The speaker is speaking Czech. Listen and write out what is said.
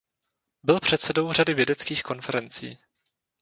Byl předsedou řady vědeckých konferencí.